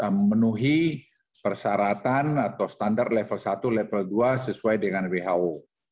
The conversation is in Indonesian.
memenuhi persyaratan atau standar level satu level dua sesuai dengan who